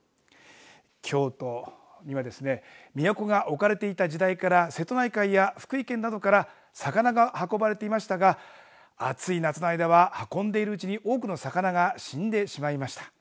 京都にはですね都が置かれていた時代から瀬戸内海や福井県などから魚が運ばれていましたが暑い夏の間は運んでいるうちに多くの魚が死んでしまいました。